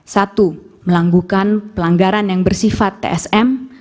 satu melanggukan pelanggaran yang bersifat tsm